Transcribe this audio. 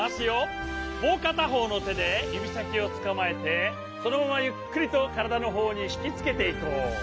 もうかたほうのてでゆびさきをつかまえてそのままゆっくりとからだのほうにひきつけていこう。